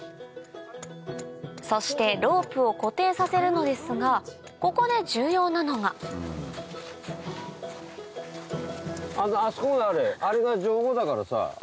そしてロープを固定させるのですがここで重要なのがあそこのあれあれがじょうごだからさ。